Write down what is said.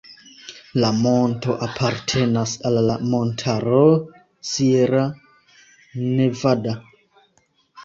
La monto apartenas al la montaro Sierra Nevada.